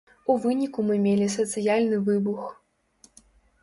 У выніку мы мелі сацыяльны выбух.